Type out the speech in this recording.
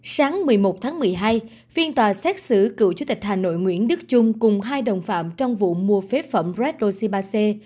sáng một mươi một một mươi hai viên tòa xét xử cựu chủ tịch hà nội nguyễn đức trung cùng hai đồng phạm trong vụ mua phế phẩm red losibase